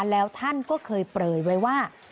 แล้วท่านก็เคยเปลยไว้ว่า